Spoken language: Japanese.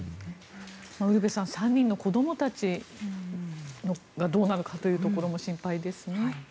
ウルヴェさん３人の子どもたちがどうなるかというのも心配ですね。